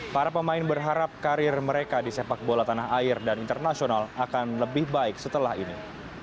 para pemain berharap karir mereka di sepak bola tanah air dan internasional akan lebih baik setelah ini